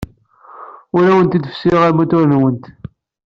Ur awent-d-fessiɣ amutur-nwent.